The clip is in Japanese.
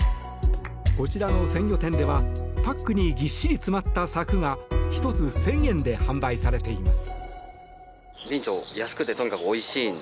こちらの鮮魚店ではパックにぎっしり詰まった柵が１つ１０００円で販売されています。